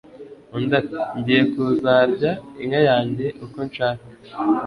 undi ati ngiye kuzarya inka yanjye uko nshaka